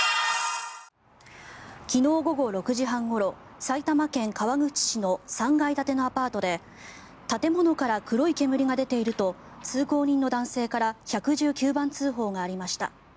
昨日午後６時半ごろ埼玉県川口市の３階建てのアパートで建物から黒い煙が出ていると通行人の男性から１１９番通報がありました。